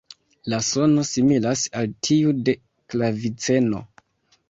La sono similas al tiu de klaviceno.